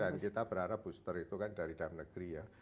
dan kita berharap booster itu kan dari dalam negeri ya